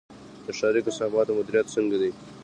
د ښاري کثافاتو مدیریت څنګه دی؟